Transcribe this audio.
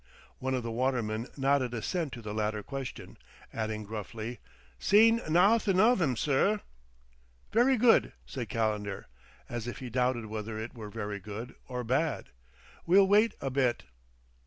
One of the watermen nodded assent to the latter question, adding gruffly: "Seen nawthin' of 'im, sir." "Very good," said Calendar, as if he doubted whether it were very good or bad. "We'll wait a bit."